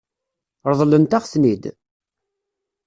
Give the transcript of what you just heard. Ṛeḍlent-aɣ-ten-id?